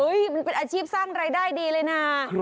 มันเป็นอาชีพสร้างรายได้ดีเลยนะ